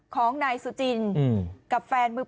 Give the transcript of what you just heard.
ของนายซูจินกับแฟนมือปืน